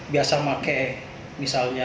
biasa pakai misalnya seratus seratus seratus